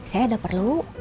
saya ada perlu